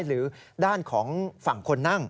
หรือด้านของฝั่งคนนั่ง